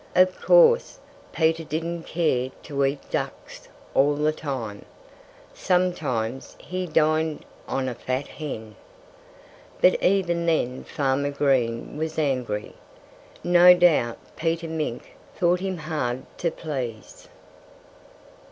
Of course, Peter didn't care to eat ducks all the time. Sometimes he dined on a fat hen. But even then Farmer Green was angry. No doubt Peter Mink thought him hard to please.